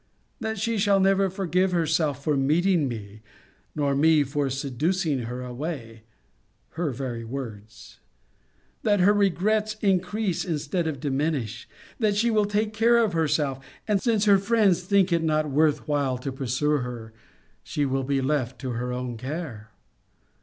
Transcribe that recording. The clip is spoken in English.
That she shall never forgive herself for meeting me, nor me for seducing her away?' [Her very words.] 'That her regrets increase instead of diminish? That she will take care of herself; and, since her friends thing it not worth while to pursue her, she will be left to her own care?